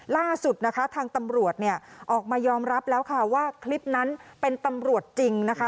ล่าสุดนะคะทางตำรวจเนี่ยออกมายอมรับแล้วค่ะว่าคลิปนั้นเป็นตำรวจจริงนะคะ